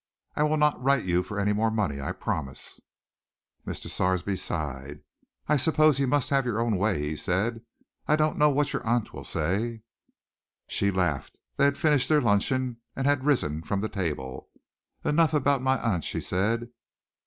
I will not write you for any more money, I promise." Mr. Sarsby sighed. "I suppose you must have your own way," he said. "I don't know what your aunt will say." She laughed. They had finished their luncheon and had risen from the table. "Enough about my aunt," she said.